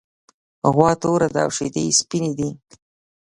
غوا توره ده او شیدې یې سپینې دي.